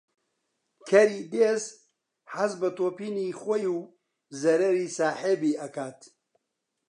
کەری دێز حەز بە تۆپینی خۆی و زەرەری ساحێبی ئەکات